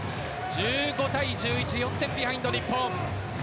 １５対１１４点ビハインド、日本。